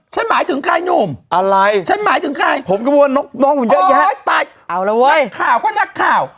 ฉันหมายถึงใครนุ่มฉันหมายถึงใครผมก็บอกว่าน้องผมเยอะแยะนักข่าวก็นักข่าว